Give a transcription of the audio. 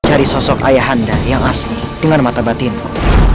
cari sosok ayah anda yang asli dengan mata batinku